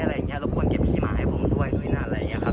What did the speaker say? แล้วควรเก็บขี่หมาให้ผมด้วยอะไรอย่างนี้ครับ